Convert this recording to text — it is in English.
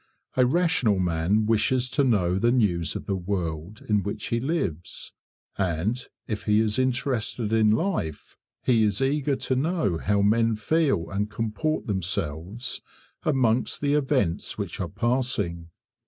A rational man wishes to know the news of the world in which he lives; and if he is interested in life, he is eager to know how men feel and comport themselves amongst the events which are passing.